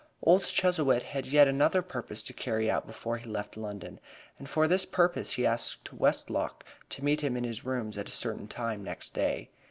Old Chuzzlewit had yet another purpose to carry out before he left London, and for this purpose he asked Westlock to meet him in his rooms at a certain time next day.